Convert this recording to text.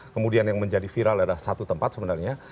kemudian yang menjadi viral adalah satu tempat sebenarnya